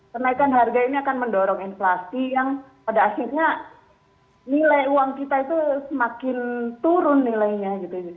kenaikan harga ini akan mendorong inflasi yang pada akhirnya nilai uang kita itu semakin turun nilainya